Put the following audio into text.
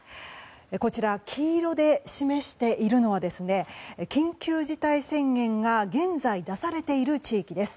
こちら黄色で示しているのは緊急事態宣言が現在、出されている地域です。